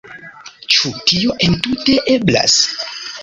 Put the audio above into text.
Ĉu tio entute eblas?